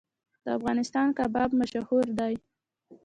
د افغانستان کباب مشهور دی